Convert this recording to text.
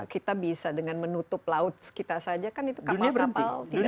kita bisa dengan menutup laut kita saja kan itu kapal kapal tidak